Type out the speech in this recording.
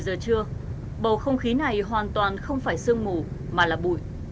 một mươi giờ trưa bầu không khí này hoàn toàn không phải sương ngủ mà là bụi